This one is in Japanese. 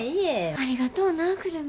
ありがとうな久留美。